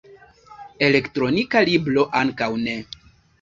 Elektronika libro ankaŭ ne.